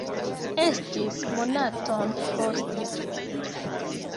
Estis monaton poste.